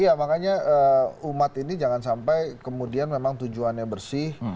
iya makanya umat ini jangan sampai kemudian memang tujuannya bersih